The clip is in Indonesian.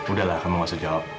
udah lah kamu gak usah jawab